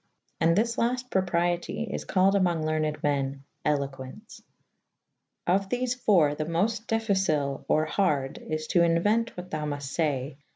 And this lafte propriete is callyd amonge lernyd men eloquence. Of thefe .iiii.' the moft difficile or harde is to inuente what thou mufte faye, wher ' B.